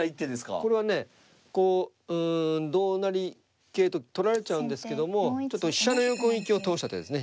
これはねこう同成桂と取られちゃうんですけどもちょっと飛車の横利きを通した手ですね。